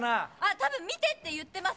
多分、見てって言ってます。